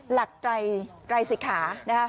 หลักใจไซสิขา